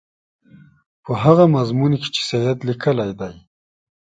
په هغه مضمون کې چې سید لیکلی دی.